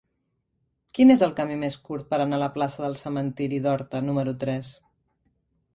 Quin és el camí més curt per anar a la plaça del Cementiri d'Horta número tres?